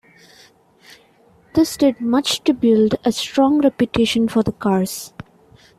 This did much to build a strong reputation for the cars.